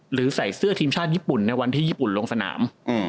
หรือใส่เสื้อทีมชาติญี่ปุ่นในวันที่ญี่ปุ่นลงสนาม